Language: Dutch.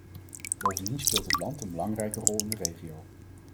Bovendien speelt het land een belangrijke rol in de regio.